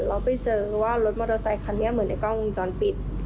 เราไปเจอว่ารถมอเตอร์ไซคันนี้เหมือนในกล้องวงจรปิด